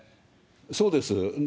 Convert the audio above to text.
そうです。